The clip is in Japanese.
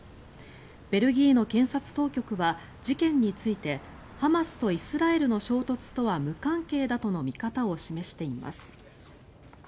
ベルギーの検察当局は事件についてハマスとイスラエルの衝突とは無関係だとの見方を示しています。